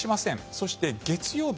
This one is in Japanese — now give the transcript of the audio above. そして、月曜日